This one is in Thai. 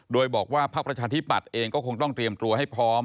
โดยบอกว่าพักประชาธิปัตย์เองก็คงต้องเตรียมตัวให้พร้อม